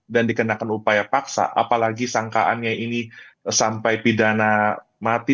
dan dikenakan upaya paksa apalagi sangkaannya ini sampai pidana mati